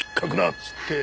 っつって。